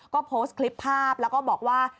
ก็โพสต์คลิปภาพแล้วก็บอกว่า